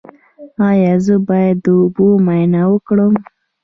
ایا زه باید د اوبو معاینه وکړم؟